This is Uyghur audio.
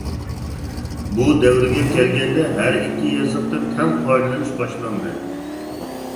بۇ دەۋرگە كەلگەندە ھەر ئىككى يېزىقتىن تەڭ پايدىلىنىش باشلاندى.